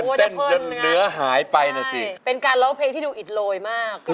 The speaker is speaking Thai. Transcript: น่าแอบน่าแอบอย่างน่ะสนุก